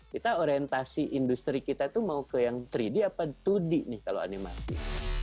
kita orientasi industri kita mau ke yang tiga d atau dua d kalau animasi